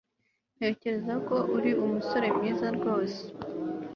Ntekereza ko uri umusore mwiza rwose